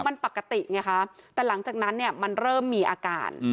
มันปกติไงคะแต่หลังจากนั้นเนี่ยมันเริ่มมีอาการ